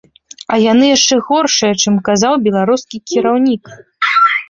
А яны яшчэ горшыя, чым казаў беларускі кіраўнік.